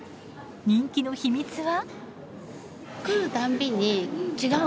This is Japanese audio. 人気の秘密は。